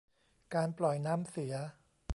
การปล่อยน้ำเสีย